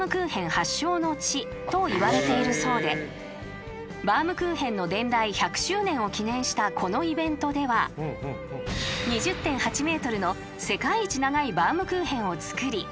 ［といわれているそうでバウムクーヘンの伝来１００周年を記念したこのイベントでは２０．８ｍの世界一長いバウムクーヘンを作り見事］